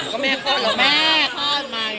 ก็แม่คลอดเหรอแม่คลอดมา